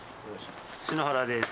篠原です。